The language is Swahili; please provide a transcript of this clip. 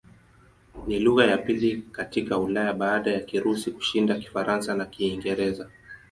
Ni lugha ya pili katika Ulaya baada ya Kirusi kushinda Kifaransa na Kiingereza.